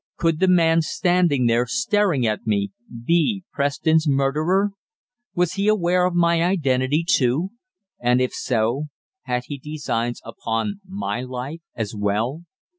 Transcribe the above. Could the man standing there staring at me be Preston's murderer? Was he aware of my identity too, and, if so, had he designs upon my life as well?